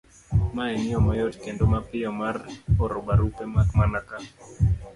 Mae en yo mayot kendo mapiyo mar oro barupe, mak mana ka